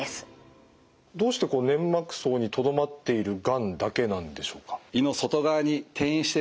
どうして粘膜層にとどまっているがんだけなんでしょうか？